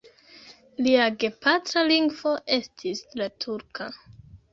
Lia gepatra lingvo estis la turka.